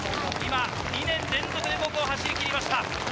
今２年連続で５区を走り切りました。